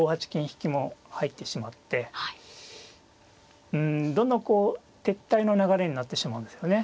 引も入ってしまってうんどんどんこう撤退の流れになってしまうんですよね。